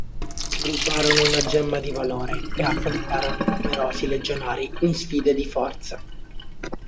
Rubarono una gemma di valore e affrontarono numerosi Legionari in sfide di forza.